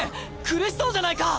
苦しそうじゃないか！